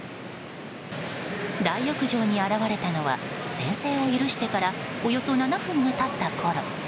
大浴場に現れたのは先制を許してからおよそ７分が経ったころ。